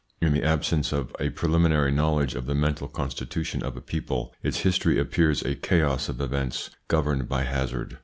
In the absence of a preliminary knowledge of the mental constitution of a people, its history appears a chaos of events governed by hazard.